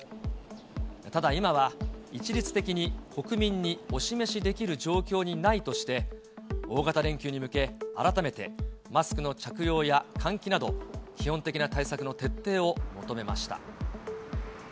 ただ、今は一律的に国民にお示しできる状況にないとして、大型連休に向け、改めてマスクの着用や換気など、基本的な対策の徹底を求めました。